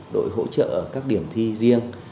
đội hỗ trợ các điểm thi riêng